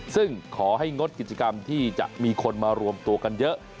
ซึ่งขอให้งดกิจกรรมที่จะมีคนมารวมตัวกันเยอะ